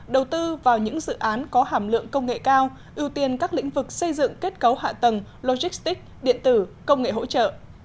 đầu tư vào những dự án có hàm lượng công nghệ cao ưu tiên các lĩnh vực xây dựng kết cấu hạ tầng logistic điện tử công nghệ hỗ trợ